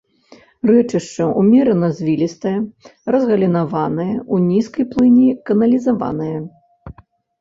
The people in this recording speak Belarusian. Рэчышча ўмерана звілістае, разгалінаванае, у нізкай плыні каналізаванае.